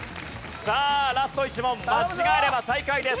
さあラスト１問間違えれば最下位です。